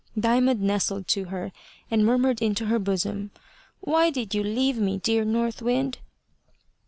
Diamond nestled to her, and murmured into her bosom, "Why did you leave me, dear North Wind?"